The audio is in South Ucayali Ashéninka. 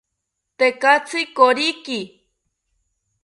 Tekatzi koriki